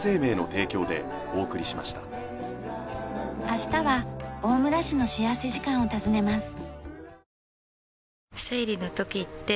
明日は大村市の幸福時間を訪ねます。